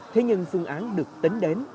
thế nhưng phương án được tính đến